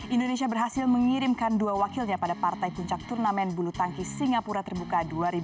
indonesia berhasil mengirimkan dua wakilnya pada partai puncak turnamen bulu tangkis singapura terbuka dua ribu dua puluh